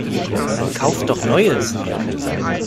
Dann Kauf doch Neues!